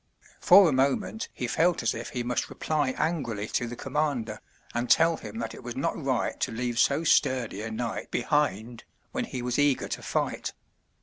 For a moment he felt as if he must reply angrily to the commander, and tell him that it was not right to leave so sturdy a knight behind, when he was eager to fight.